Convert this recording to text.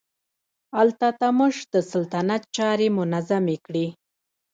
التتمش د سلطنت چارې منظمې کړې.